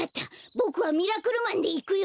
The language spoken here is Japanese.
ボクはミラクルマンでいくよ！